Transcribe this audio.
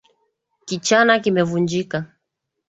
Kichana kimevunjika